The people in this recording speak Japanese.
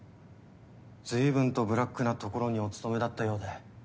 随分とブラックなところにお勤めだったようで。